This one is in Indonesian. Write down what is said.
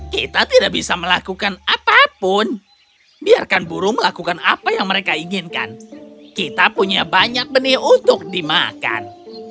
kita tidak bisa melakukan apapun biarkan burung melakukan apa yang mereka inginkan kita punya banyak benih untuk dimakan